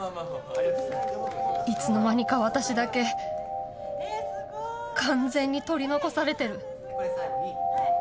いつの間にか私だけ完全に取り残されてる